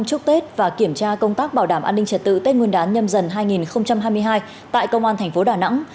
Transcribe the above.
chúc tết và kiểm tra công tác bảo đảm an ninh trật tự tết nguyên đán nhầm dần hai nghìn hai mươi hai tại công an tp đà nẵng